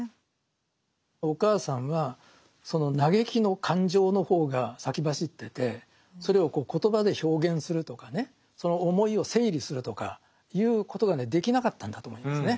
お母さんはその嘆きの感情の方が先走っててそれを言葉で表現するとかねその思いを整理するとかいうことがねできなかったんだと思いますね